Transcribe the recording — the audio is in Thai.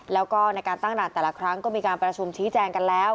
แล้วก็ในการตั้งด่านแต่ละครั้งก็มีการประชุมชี้แจงกันแล้ว